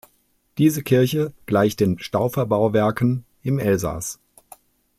Diese Kirche gleicht den Staufer-Bauwerken im Elsass.